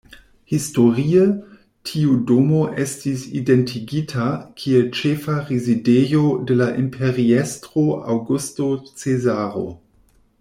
Historie, tiu domo estis identigita kiel ĉefa rezidejo de la imperiestro Aŭgusto Cezaro.